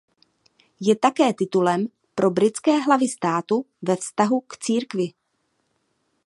Je také titulem pro britské hlavy státu ve vztahu k církvi.